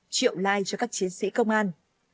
triệu like cho các chiến sĩ công an